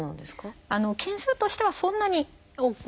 件数としてはそんなに多くは。